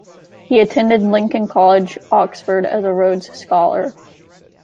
He attended Lincoln College, Oxford as a Rhodes Scholar.